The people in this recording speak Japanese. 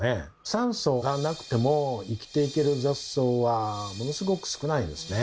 酸素がなくても生きていける雑草はものすごく少ないんですね。